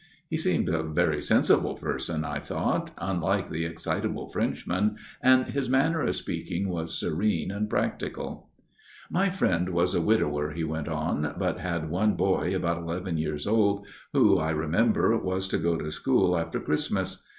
He seemed a very sensible person, I thought, unlike the excitable Frenchman, and his manner of speaking was serene and practical. FATHER BRENTS TALE 55 " My friend was a widower," he went on, " but had one boy, about eleven years old, who, I remember, was to go to school after Christmas.